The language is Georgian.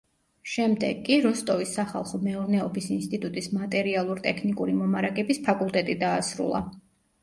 შემდეგ კი, როსტოვის სახალხო მეურნეობის ინსტიტუტის მატერიალურ-ტექნიკური მომარაგების ფაკულტეტი დაასრულა.